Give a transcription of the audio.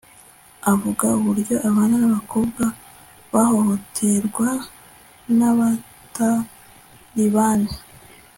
avuga uburyo abana b'abakobwa bahohoterwa n'abatalibani